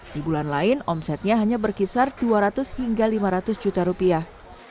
di bulan lain omsetnya hanya berkisar dua ratus hingga lima ratus juta rupiah